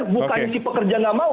bukan si pekerja nggak mau